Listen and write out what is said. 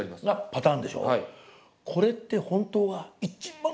パターンでしょ。